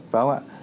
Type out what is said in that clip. phải không ạ